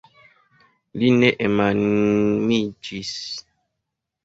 Li ne enamiĝis.